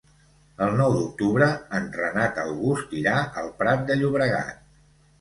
El nou d'octubre en Renat August irà al Prat de Llobregat.